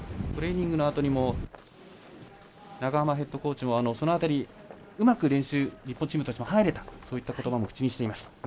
トレーニングのあとにも長濱ヘッドコーチもその辺り、うまく練習日本チームとしても入れたとそういったことばも口にしています。